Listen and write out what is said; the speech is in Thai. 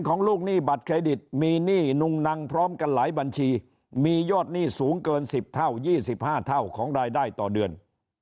ลูกหนี้บัตรเครดิตมีหนี้นุ่งนังพร้อมกันหลายบัญชีมียอดหนี้สูงเกิน๑๐เท่า๒๕เท่าของรายได้ต่อเดือน